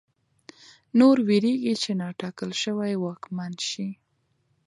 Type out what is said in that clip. نور وېرېږي چې نا ټاکل شوی واکمن شي.